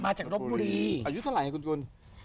จากรบบุรีอายุเท่าไหร่คุณกุล